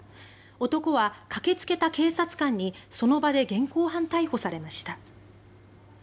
男は駆けつけた警察官にその場で現行犯逮捕されました。